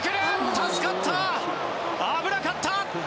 助かった危なかった。